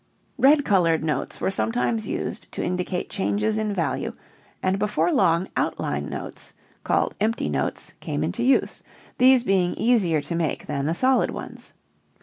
Red colored notes were sometimes used to indicate changes in value and before long outline notes (called empty notes) came into use, these being easier to make than the solid ones.